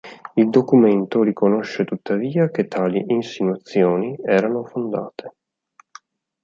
Il documento riconosce tuttavia, che tali "insinuazioni" erano fondate.